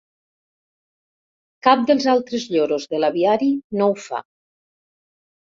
Cap dels altres lloros de l'aviari no ho fa.